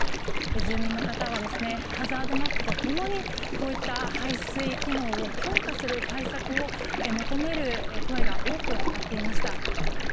住民の方はハザードマップと共にこういった排水機能を強化する対策を求める声が多く上がっていました。